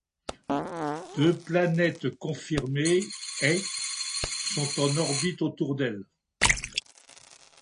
Deux planètes confirmées, ' et ', sont en orbite autour d'elle.